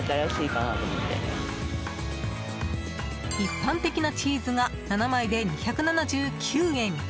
一般的なチーズが７枚で２７９円。